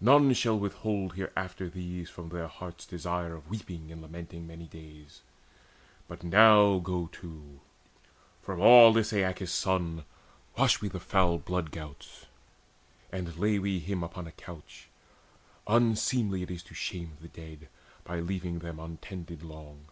None shall withhold Hereafter these from all their heart's desire Of weeping and lamenting many days. But now go to, from aweless Aeacus' son Wash we the foul blood gouts, and lay we him Upon a couch: unseemly it is to shame The dead by leaving them untended long."